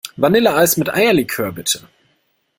Vanilleeis mit Eierlikör, bitte.